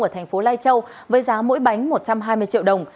ở thành phố lai châu với giá mỗi bánh một trăm hai mươi triệu đồng